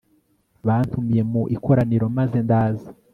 bantumiye mu ikoraniro maze ndaza